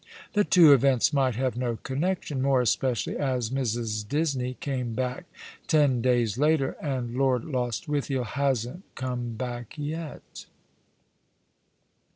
The two events might have no connection — more especially as Mrs. Disney came back ten days after, and Lord Lost withiel hasn't come back yet."